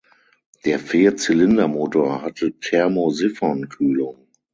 Der Vierzylindermotor hatte Thermosiphonkühlung.